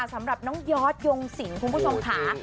สำหรับน้องยอดยงสิงคุณผู้ชมค่ะ